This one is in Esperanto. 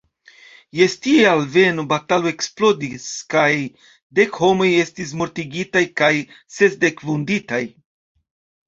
Je ties alveno batalo eksplodis kaj dek homoj estis mortigitaj kaj sesdek vunditaj.